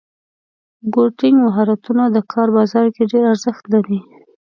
کوډینګ مهارتونه د کار بازار کې ډېر ارزښت لري.